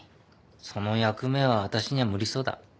その役目はあたしには無理そうだ。